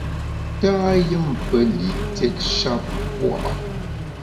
Tâyùmpelitiét shap pua’.